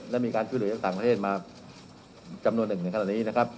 และมีการช่วยเหลือจากต่างประเทศมาจำนวนหนึ่งในขณะนี้นะครับ